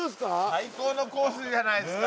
最高のコースじゃないっすか。